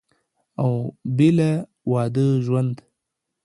او بېله واده ژوند